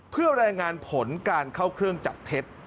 เพื่อรายงานผลการเข้าเครื่องจับเท็จ